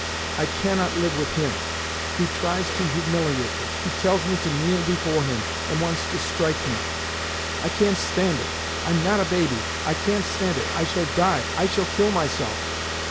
I cannot live with him. He tries to humiliate me—he tells me to kneel before him, and wants to strike me. I can't stand it. I'm not a baby. I can't stand it—I shall die, I shall kill myself.